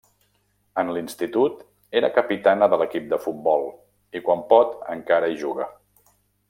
En l'Institut era capitana de l'equip de futbol i quan pot encara hi juga.